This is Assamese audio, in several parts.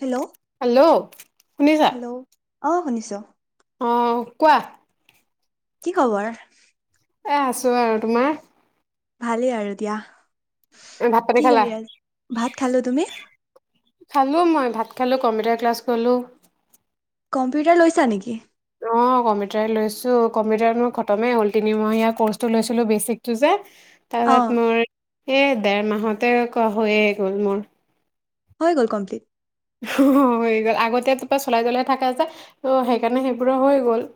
হেল্ল' হেল্লো, শুনিছা। হেল্ল' অ শুনিছো। অ কোৱা। কি খবৰ। এ আছোঁ আৰু তোমাৰ। ভালেই আৰু দিয়া। ভাত পানী কি খালা কৰি আ, ভাত খালো তুমি। খালো মই ভাত খালো, কম্পিউটাৰ ক্লাছ গলো। কম্পিউটাৰ লৈছা নেকি। অ কম্পিউটাৰ লৈছো, কম্পিউটাৰ মোৰ খতমেই হ'ল। তিনিমাহাৰ কৰ্চটো লৈছিলো বেচিকটো যে। অ তাৰত মোৰ। এ ডৰ মাহতে ক হৈয়ে গ'ল মোৰ। হৈ গ'ল কমপ্লিট। হৈ গ'ল, আগতে তপা চলাই জ্বলাই থাকে যে ত সেইকাৰণে সেইবোৰ হৈ গ'ল।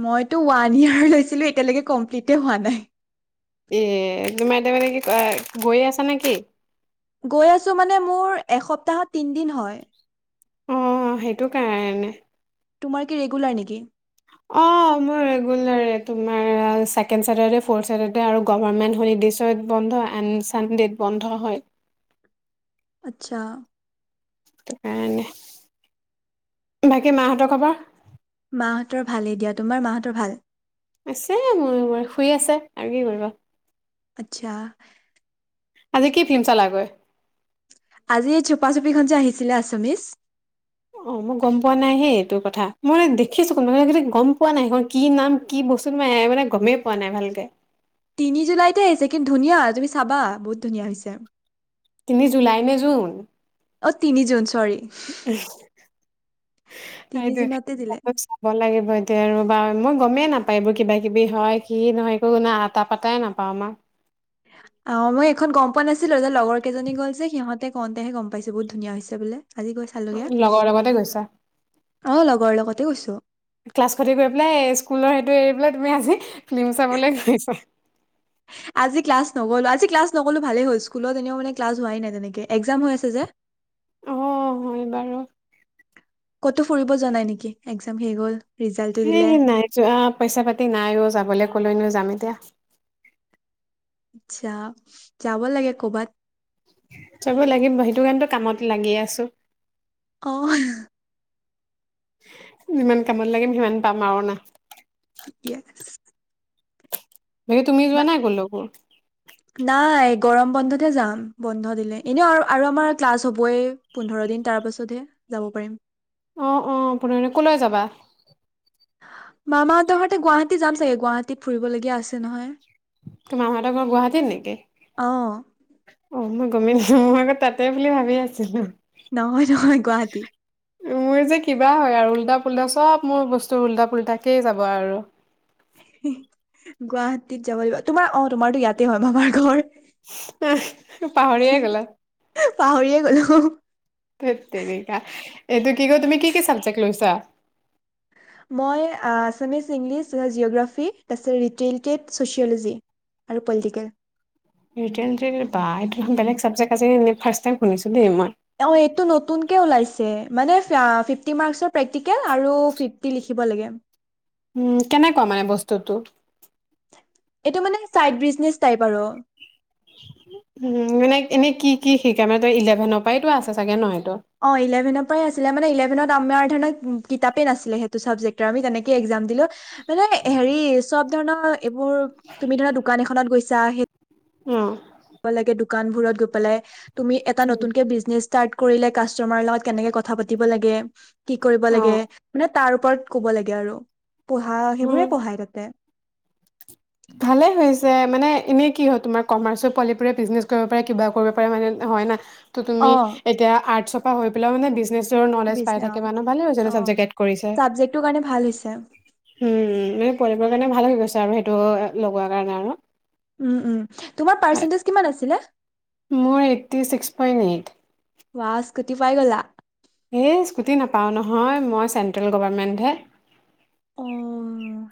মইতো ওৱান ইয়াৰ লৈছিলো, এতিয়ালৈকে কমপ্লিতে হোৱা নাই। এ তোমাৰতিয়া মানে, কি গৈ আছা নেকি। গৈ আছো মানে, মোৰ এসপ্তাহত তিনিদিন হয়। অ সেইটো কাৰণে। তোমাৰ কি ৰেগুলাৰ নেকি? অঁ মোৰ ৰেগুলাৰ। তোমাৰ ছেকেণ্ড চছেটাৰডে', ফ'ৰ্থ চছেটাৰডে আৰু গভাৰমেণ্ট হলিডেছত বন্ধ এন ছানডেত বন্ধ হয়। আচ্ছা। হেতুকাৰণে বাকী মাহঁতৰ খবৰ। মাহঁতৰ ভালেই দিয়া, তোমাৰ মাহঁতৰ ভাল। আছে মোৰ শুই আছে, আৰু কি কৰিবা। আচ্ছা। আজি কি ফিল্ম চল গৈ। আজি এই চোপাচোপিখন যে, আহিছিলে আচামিছ। অ মই গম পোৱা নাই হে, ‌এইটো কথা মই দেখিছো গম পোৱা নাই এইখন কি নাম? কি বস্তু ম মানে গমেই পোৱা নাই ভালকে। তিনি জুলাইতে আহিছে, কি ধুনীয়া। তুমি চাবা বহুত ধুনীয়া হৈছে। তিনি জুলাই নে জুন? অ তিনি জুন চৰি তিনি সেইটোয়ে জুনতে দিলে অলপ চাব লাগিব। এতিয়া আৰু বা মই। গমেই নাপায় এইবোৰ কিবা কিবি হয় কি নহয় একো আটা পাতাই নাপাওঁ আমাৰ অ মই এইখন গম পোৱা নাছিলো ৰ এ লগৰ কেইজনী গ'ল যে সিহঁতে কওঁতেহে গম পাইছো বহুত ধুনীয়া হৈছে বোলে আজি গৈ চালোগে লগৰ লগতে গৈছা অ লগৰ লগতে গৈছো ক্লাছ খতি কৰি পেলাই স্কুলৰ স এৰি পেলাই তুমি আজি ফিল্ম চাবলৈ গৈছা আজি ক্লাছ নগলো আজি ক্লাছ নগলো ভালেই হ'ল স্কুলত এনেও মানে ক্লাছ হোৱাই নাই তেনেকে এক্সাম হৈ আছে যে অ হয় বাৰু ক'তো ফুৰিব জোৱা নাই নেকি এক্সাম শেষ গ'ল সেইহ নাই যোৱা পইচা পাতি নাইও যাবলৈ ক'লে নো যাম এতিয়া আচছা যাব লাগে কৰ'বাত চাবো লাগিব সেইটো কাৰণে কামত লাগি আছো অহ যিমান কামত লাগিম সিমান পাম আৰু না ইচ বাকি তুমি যোৱা নাই কলোকে নাই গৰম বন্ধতহে যাম বন্ধ দিলে। এনেও আৰু আৰু আমাৰ ক্লাছ হ'বই পোন্ধৰ দিন তাৰ পাছতহে যাব পাৰিম। অ অ পোন্ধৰ দিন ক'লৈ যাবা। মামাহঁতৰ সতে গুৱাহাটী যাম চাগে। গুৱাহাটীত ফুৰিবলগীয়া আছে নহয়। তো মাহতৰ ঘৰত গুৱাহাটীত নেকি অ অ মই। কমি নো মই আকৌ তাতেই বুলি ভাবি আছিলো। নহয় নহয় গুৱাহাটী মোৰ যে কিবা হয় আৰু। উলটা পুল্টা চব মোৰ বস্তু উল্টা পুল্টাকেই যাব আৰু। গুৱাহাটীত যাব লাগিব তোমাৰ অ তোমাৰতো ইয়াতে হয় মামাৰ ঘৰ। পাহৰিয়ে গ'লো। পাহৰিয়ে গ'লো ধেততেৰিকা এইটো কি ক তুমি কি কি চাবজেক্ট লৈছা। মই আছামিছ, ইংলিছ, জিঅ'গ্ৰাফী, তাৰপিছত ৰিটেইলটেড, ছ'চিয়'ল'জি আৰু পলিটিকেল। ৰিটেন টেক বা এইটো বেলেগ চাবজেক্ট আছে ফাচ তাইম শুনিছো দেই মই। অঁ এইটো নতুনকে ওলাইছে মানে ফিফটি মাৰ্কচৰ প্ৰেক্টিকেল আৰু ফিফটি লিখিব লাগে। উম কেনেকুৱা মানে বস্তুটো। এইটো মানে চাইড বিজনেচ টাইপ আৰু। উ মানে এনেই কি কি শিকাই মানে তই ইলেভেনৰ পৰাইতো আছে চাগে ন। অ ইলেভেনৰ পৰাই আছিলে মানে ইলেভেন। আমাৰ কিতাপে নাছিলে সেইটো চাবজেক্ট আমি তেনেকৈ একজাম দিলো। মানে হেৰি চব। ধৰনয়। এইবোৰ তুমি ধৰা দোকান এখনত গৈছ। জাহে। উম। ভাল লাগে দু। দোকানবোৰত গৈ পেলাই। তুমি এটা নতুনকে বিজনেছ। তাত কৰিলে কাষ্টমাৰ লগত কেনেকে কথা পাতিব লাগে। কি কৰিব লাগে অ', মানে। তাৰ ওপৰত ক'ব লাগে আৰু। পঢ়া উম। সেইবোৰে পঢ়ায় তাতে। ভালে হৈছে মানে এনেই কি হয় তোমাৰ কমাৰ্চ পোৱালি বোৰে বিজনেছ কৰিব পাৰে কিবা কৰিব পাৰে মানে হয় না। ত' অ তুমি এতিয়া আৰ্টছ। পাহৰি পেলাই মানে বিছ নলেজ বিজ পাই অ থাকে মানে ভালে হৈছে। এনে অ চাবজেক্ট এড কৰিছে চাবজেক্টটোৰ কাৰণে ভাল হৈছে উম উম পোৱালিবোৰৰ কাৰণে ভাল। ছাৰে সেইটো। লগোৱাৰ কাৰণে আৰু। উম উম তোমাৰ পাৰ্চেণ্টেজ কিমান আছিলে? মোৰ এইট্টি ছিক্স পইণ্ট এইট। বা স্কুটি পাই গলা। এই স্কুটি নাপাওঁ নহয়, মই চেণ্ট্ৰেল গভমেণ্টহে। অ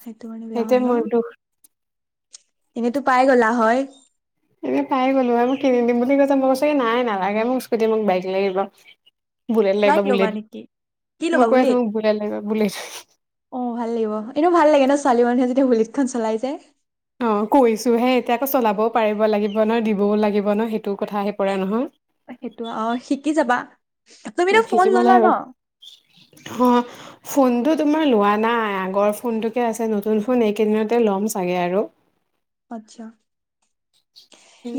সেইটো মানে বেয়া হ'ল মোৰ ন', দুখ। এনেতো পাই গ'লা হয়। হয় [unintelligible] এনে পাই গ'লো হয় মোক কিনি দিম বুলি কৈছে মোক কৈছোঁ নাই নালাগে মোক স্কুটি মোক বাইক লাগিব। বুলেট লাগিব বাইক ল'বা বুলেট নেকি? কি মই ল'বা কৈ আছো বুলেট? মোক লাগিব বুলেট অ ভাল লাগিব এনেও ভাল লাগে ন ছোৱালী মানুহ বুলেটখন চলাই যে। অ কৈছো হে এতিয়া আকৌ চলাবও পাৰিব লাগিব ন দিবও লাগিব ন সেই সেইটো অ শিকি যাবা। উ তুমিতো ফোন শিকিব ললা ন লাগিব অ ফোনটোত, তোমাৰ লোৱা নাই আগৰ ফোনতোকে আছে নতুন ফোন এইকেইদিনতে ল'ম চাগে আৰু। আচ্ছা।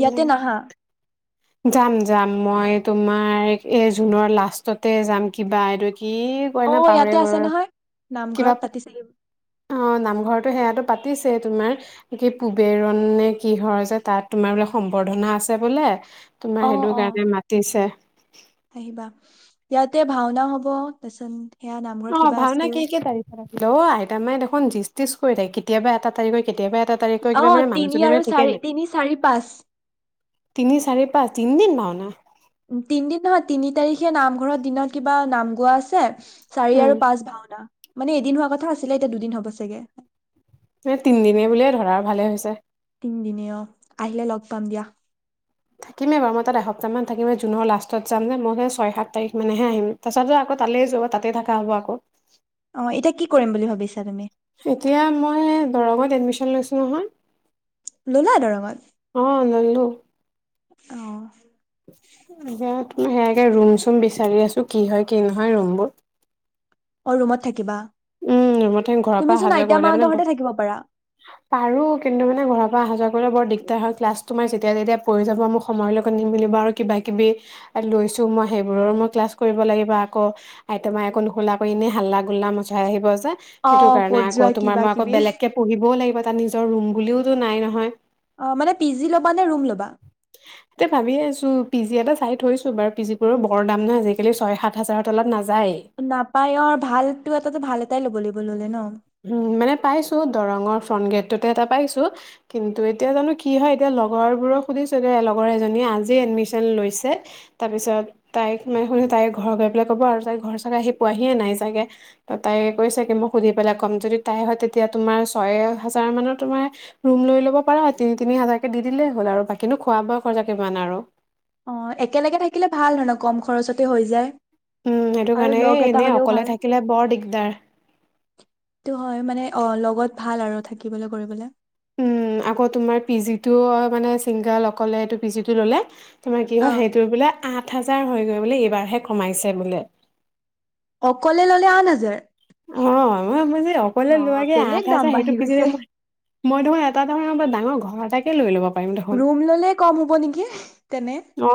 ইয়াতে নাহা? যাম যাম মই তোমাৰ এ জুনৰ লাষ্টতে যাম কিবা এইদ অ ইয়াতে আছে নহয় কিবা নামঘৰত পাতিছিলো। অ নামঘৰতো সেয়াটো পাতিছেই তোমাৰ কি পুবেৰণ নে কিহৰ যে তাত তোমাৰ বোলে সম্বৰ্ধনা আছে বোলে তোমাৰ অ সেইটো অ কাৰণে মাতিছে। আহিবা। ইয়াতে ভাওনা হব তাৰ পাছত অ ভাওনা কি কি তাৰিখে ৰাখিলে? অ আইতা মাই দেখোন জিছ তিছ কৰি থাকে কেতিয়াবা এটা তাৰিখ হয় কেতিয়াবা এটা তাৰিখৰ অ', কিবা মানে তিনি মানুহজনী আৰু মানে ঠিকেই চাৰি। নাই তিনি-চাৰি-পাঁচ, তিনি চাৰি পাঁচ তিনদিন ভাওনা তিনদিন নহয়। তিনি তাৰিখে নামঘৰত দিনত, কিবা নাম-গোৱা আছে চাৰি উম আৰু পাঁচ, ভাওনা মানে, এদিন হোৱা কথা আছিলে। এতিয়া দুদিন হ'ব, চাগে এ, তিনিদিনে বুলিয়েই ধৰা, ভালে হৈছে। তিনদিনে, অ', আহিলে লগ পাম। দিয়া। থাকিমেই বাৰু। মই তাত এসপ্তাহমান থাকিমে। জুনৰ লাষ্টত যাম যে মই। সেই, ছয়-সাত তাৰিখমানেহে আহিম। তাৰ পাছতো, আকৌ তালৈ যোৱা। তাতেই থাকা হ'ব, আকৌ অ', এতিয়া কি কৰিম বুলি ভাবিছা? তুমি এতিয়া মই দৰঙত এডমিশ্যন লৈছোঁ নহয় ল'লা দৰঙত? অ', ল'লোঁ। অ'। [unintelligible] সেয়াকে, ৰুম-চুম বিচাৰি আছোঁ। কি হয়, কি নহয়, ৰুমবোৰ অ', ৰুমত থাকিবা। উম, ৰোমত থাকিম। ঘৰৰ পৰা তুমিচোন আহা-যোৱা আইতা কৰিলে, মানে মাহঁতৰ ঘৰতে থাকিব পাৰা পাৰোঁ কিন্তু মানে, ঘৰৰ পৰা আহা-যোৱা, কৰিলে, বৰ দিগদাৰ হয়। ক্লাছটো, মই যেতিয়া-তেতিয়া পৰি যাব, মোক সময়ৰ লগত নিমিলিব। আৰু কিবা-কিবি লৈছোঁ মই, সেইবোৰৰো মই ক্লাছ কৰিব লাগিব। আকৌ, আইতামাই আকৌ নুশুলে, আকৌ এনে হাল্লা-গুল্লা, ম [unintelligible] যে অ সেইটো কাৰণে, ক'ত আকৌ যোৱা তোমাৰ, কিবা মই, আকৌ কিবি বেলেগকে পঢ়িবও লাগিব, তাত, নিজৰ ৰুম বুলিওতো নাই নহয়। অ', মানে পি -জি ল'বা নে, ৰুম ল'বা? থৈছোঁ বাৰু। পি -জিবোৰো বৰ দাম নহয়, আজিকালি ছয়-সাত হাজাৰৰ তলত নাযায়, নাপায়। অ', ভালটো, এটাতো ভাল, টাই ল'ব লাগিব। ল'লে ন? উম, মানে পাইছোঁ, দৰঙৰ, ফ্ৰণ্ট গেটটোতে এটা পাইছোঁ। কিন্তু, এতিয়া জানো কি হয়। এতিয়া লগৰবোৰক সুধিছোঁ দে। লগৰ এজনীয়ে আজি এডমিশ্যন লৈছে। তাৰ পিছত, তাইক, মানেসুধিছোঁ, তাই ঘৰ গৈ পেলাই ক'ব আৰু, তাই ঘৰ চাগে আহি পোৱাহিয়েই নাই, চাগে, ত', তাই কৈছে কি, মোক সুধি পেলাই ক, কম যদি তাই হয়, তেতিয়া তোমাৰ ছয় হাজাৰমানৰ তোমাৰ ৰুম লৈ ল'ব পাৰা। তিনি-তিনি হাজাৰকে দি দিলেই হ'ল। আৰু, বাকীনো খোৱা-বোৱা খৰচা কিমান আৰু, অ', একেলগে থাকিলে ভাল, আৰু কম খৰচতে হৈ যায়। উম, সেইটো আৰু কাৰণে, লগ এটা এনেই হ'লেও অকলে ভাল থাকিলে বৰ দিগদাৰ, বহুত ভাল আৰু থাকিবলৈ-কৰিবলৈ, উম, 'আকৌ তোমাৰ পি- জিটো অ', মানে, ছিংগল, অকলে এইটো পি -জিটো ল'লে, তোমাৰ কি অ হয়, সেইটোৰ বোলে আঠ -হাজাৰ হৈ গৈ, সেইবুলি, এইবাৰহে কমাইছে বোলে। অকলে ল'লে, আঠ- হাজাৰ? অ', মই, মই যে, অকলে বা লোৱাকে, বেলেগ আঠ দাম হাজাৰ। সেইটো বাঢ়ি পিছতে, গৈছে মই, মই, ধৰক এটা -এটা ধৰক, এনেকুৱা ডাঙৰ ঘৰ এটাকে লৈ ল'ব, পাৰিম দেখোন ৰুম ল'লে কম হ'ব নেকি? তেনে, অ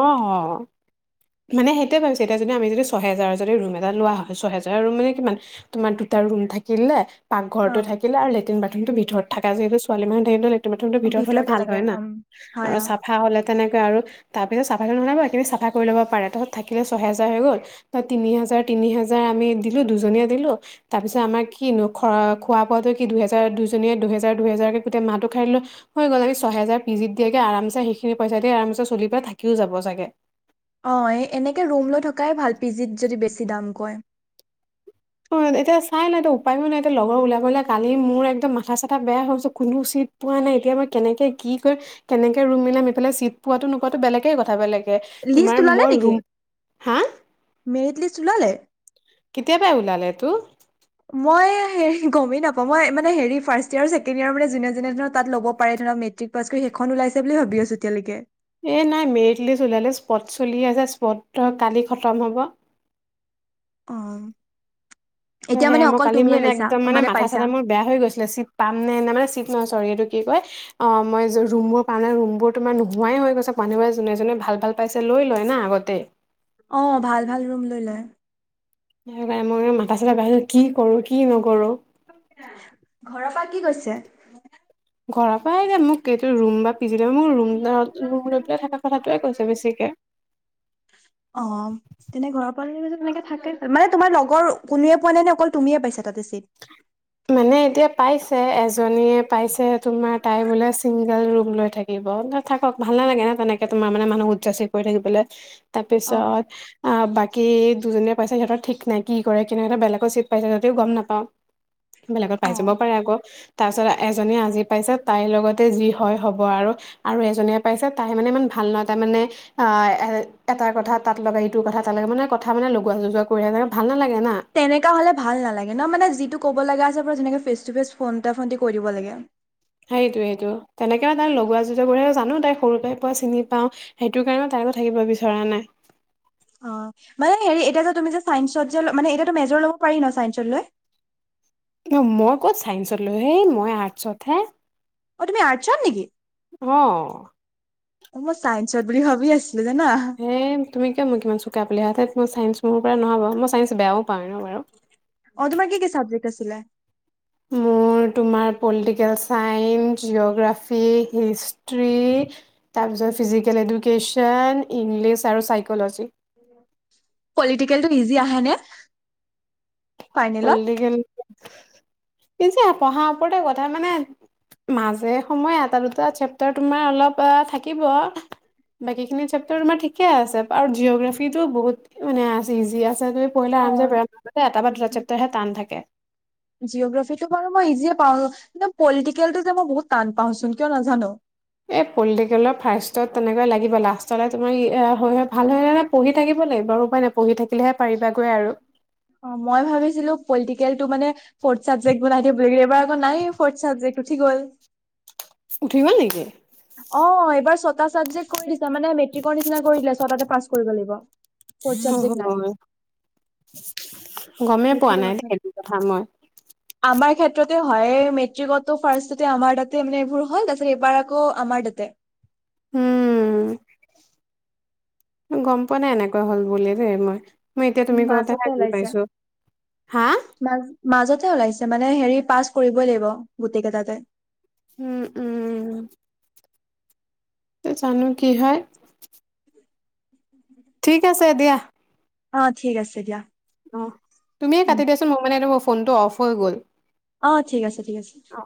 মানে সেইটোৱে ভাবিছোঁ এতিয়া যদি আমি যদি ছহেজাৰ যদি ৰুম এটা লোৱা হয় ছহেজাৰৰ ৰুম মানে কিমান, তোমাৰ দুটা ৰুম থাকিলে, পাক অ ঘৰটো থাকিলে, লেট্ৰিন -বাথৰুমটো ভিতৰ, ঘৰত থকা যিহেতু ছোৱালী মানুহ থাকিলে লেট্ৰি, লেট্ৰিন -বাথৰুমটো ভিতৰত হলে ভিতৰতে ভাল লাগে হয় না', উম হয় আৰু অ চাফা হ'লে তেনেকে, তাকে আৰু তাৰ পিছত চাফা কৰিব লাগিব, সেইখিনি চাফা কৰি ল'ব পাৰে, তাৰপিছত থাকিলে ছয়হাজাৰ হৈ গ'ল ত', তিনি হাজাৰ- -তিনি হাজাৰ আমি দিলো দুজনীয়ে দিলো, তাৰপিছত আমাৰ কিনো খৰ, খোৱা-বোৱাতো কি দুহেজাৰ দুইজনীয়ে দুহেজাৰ -দুহেজাৰকে গোটেই মাহটো খাই দিলো, হৈ গ'ল আমি ছয়হেজাৰ পিজিত দিয়াতকে আৰামচে সেইখিনি পইচা দি আৰামচে চলি পেলাই থাকিও যাব চাগে। অ', এই এনেকে ৰুম লৈ থকাই ভাল, পিজিত যদি বেছি দাম কয়। অ ', এতিয়া চাই নাই এয়া উপায়ো নাই এতিয়া লগৰ ওলাবলে কালি মোৰ একদম মাথা- -চাথা বেয়া হৈ গৈছে, কোনটো চিট পোৱা নাই এতিয়া মই কেনেকে কি কৰিম কেনেকে ৰুম মিলাম এইফালে চিট পোৱাতো- নোপোৱাতো বেলেগে কথা বেলেগ, লিষ্ট ওলালে নেকি? হা মেৰিত লিষ্ট ওলালে? কেতিয়া -বাই ওলালেটো। মই, হেৰি গমেই নাপাওঁ মই মানে হেৰি ফাৰ্ষ্ট ইয়াৰ -ছেকেণ্ড ইয়েৰ মানে যোনে-যোনে ধৰা তাত ল'ব পাৰে ধৰা মেট্ৰিক পাছ কৰি সেইখন ওলাইছে বুলি ভাবি আছো এতিয়ালৈকে। এ', নাই মেৰিট লিষ্ট ওলালে, স্পট চলি আছে স্পট কালি খতম হ'ব। অহ্ সেয়া মই কালি মানে, একদম মানে, মাথা চাথা মোৰ বেয়া হৈ গৈছিলে, চিট পাম নে নে মানে চিট নহয় চৰি এইটো। কি কয়, অ মই ৰুম বোৰ পাওঁ ন ৰুম বোৰ তোমাৰ নোহোৱাই হৈ গৈচে, মানুহবোৰে জোনে জোনে ভাল ভাল পাইছে লৈ লয় না আগতেই। অ ভাল ভাল ৰুম লৈ লয়। কাৰণে মই মাথা চাথা বেয়া হৈ গৈছে কি কৰো? কি নকৰো? ঘৰৰ পৰা কি কৈছে? ঘৰৰ পৰা এ যে মোক এইটো ৰুম বা। [inaudible] পি জি ৰুম মোৰ ৰুম ৰুম লৈ পেলাই থকা কথাটোৱে কৈছে বেছিকে। অ তেনে ঘৰৰ পৰা তে থাকে, মানে তোমাৰ লগৰ কোনোৱে পোৱা নাই নে? অকল তুমিয়ে পাইছা তাতে চিট? মানে এতিয়া পাইছে, এজনীয়ে পাইছে। তুমাৰ তাই বোলে চিং। গল ৰুম লৈ থাকিব। থাকক ভাল নালাগে না তেনেকে তোমাৰ মানে মানুহক উপযাচি কৈ থাকিবলে। অ তাৰপিছত আ বাক। কি দুজনীয়ে পাইছে, সিহঁতৰ ঠিক নাই কি কৰে? [inaudible] বেলেগত চিট পাইছে যদিও গম নাপাওঁ। বেলেগত পাই অ যাব পাৰে আকৌ। তাৰ পিছত এজনীয়ে আজি পাইছে, তাইৰ লগতে যি হয় হব আৰু। আৰু এজনীয়ে পাইছে তাই মানে ইমান ভাল নহয় তাই মানে। এ এটা কথাত। তাত লগায় ইটো কথা তামানে কথা মানে লগোৱা যোজোৱা কৰি থাকে ভাল নালাগে। না তেনেকা হলে ভাল নালাগে ন মানে যিটো ক'ব লগা। [unintelligible] ফেচটো ফেচ ফ্ৰনটা ফ্ৰনটি কৈ দিব লাগে সেইটোৱেটো তেনেকে তাই লগোৱা যুজোৱা কৰে জানো। তাই সৰুপাই পোৱা চিনি পাওঁ, সেইটো কাৰণে তাইৰ লগত থাকিব বিচৰা নাই। অ মানে হেৰি এতিয়া যে তুমি যে চাইন্সত যে, মানে এতিয়াতো মেজৰ ল'ব পাৰি ন চাইন্সত লৈ? অ মই ক'ত চাইন্সত লৈ, হেই মই আৰ্টছত হে। অ তুমি আৰ্টছত নেকি? অ চাইন্সত বুলি ভাবি আছো। হে তুমি কিয় মোক ইমান চোকা বুলি, [inaudible] মই চাইন্স। মোৰ পৰা নহব, মই চাইন্স বেয়াও। পাওঁ এনেও বাৰু অ তোমাৰ কি কি চাবজেকট আছিলে? মোৰ তোমাৰ পলিটিকেল চাইন্স, জিঅ'গ্ৰাফী, হিষ্ট্ৰী তাৰপিছত ফিজিকেল এডুকেশ্যন, ইংলিছ আৰু চাইকল'জী। পলিটিকেলটো ইজি আহে নে? ফাইনেলত পলিটিকেল [unintelligible] [unintelligible] পঢ়াৰ ওপৰতে কথা মানে, মাজে সময়ে এটা দুটা চেপ্তাৰ তোমাৰ অলপ থাকিব, বাকী খিনি চেপ্তাৰ তোমাৰ ঠিকে আছে আৰু জিঅগ্ৰাফিটো বহুত মানে আছে ইজি আছে। পঢ়িলে অ আৰামচে [inaudible] [inaudible] তাৰপা [unintelligible] হে টান থাকে। জিঅ'গ্ৰফীটো বাৰু মই ইজিয়ে পাওঁ। পলিটিকেলটো যে মই বহুত টান পাওঁ চোন, কিয় নাজানো। এই পলিটিকেলৰ ফাৰ্ষ্টত তেনেকৈ লাগিব, লাষ্টলে তোমাৰ ই এ হয় ভাল হে পঢ়ি থাকিব লাগিব উপায় নাই, পঢ়ি থাকিলেহে পাৰিবাগৈ আৰু। [inaudible] অ মই ভাবিছিলো পলিটিকেলটো মানে ফৰ্থ চাব বনাই দিব। এইবাৰ আকৌ নাই ফৰ্ চাবেক্ট উঠি গ'ল। উঠিগল নেকি। অ এইবাৰ ছটা ছাবজেক্ট কৰি দিছো মানে মেট্ৰিকৰ নিচি কৰি দিলে ছটাতে পাছ কৰিব লাগিব। ফৰ্থ চাবজেক্ট নাই হয় গমেই পোৱা সেইটোৱে নাই কথা সেইটো কথা মই। আমাৰ হয় মেট্ৰিকতো ফাষ্টতে আমাৰ তাতে মানে এইবোৰ হয় তাৰপিছত এইবাৰ ক' আমাৰতে। উম গম পোৱা নাই এনেকুৱা হল ব দেই মই। মই এতিয়া তুমি কতে মাজতে হি ওলাইছে পাইছো হা। মাজ মাজতে ওলাইছে মানে হেৰি পাছ কৰিবই লাগিব গোটেই কেইটাতে। উম উম উম জানো কি হয়! ঠিক আছে দিয়া। অ ঠিক আছে দিয়া।। অ তুমিয়ে উম, কাটি দিয়াচোন মোৰ মানে ফোনটো অফ হৈ গ'ল। অ ঠিক আছে, ঠিক আছে। অ